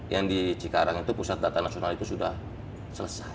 yang di cikarang itu pusat data nasional itu sudah selesai